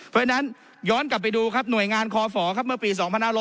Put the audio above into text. เพราะฉะนั้นย้อนกลับไปดูครับหน่วยงานคอฝครับเมื่อปี๒๕๖๐